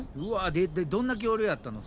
でどんな恐竜やったの？